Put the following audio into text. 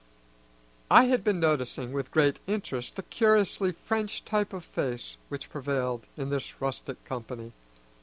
I had been noticing with great interest the curiously French type of face which prevailed in this rustic company.